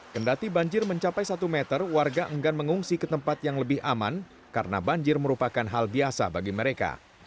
kendati banjir mencapai satu meter warga enggan mengungsi ke tempat yang lebih aman karena banjir merupakan hal biasa bagi mereka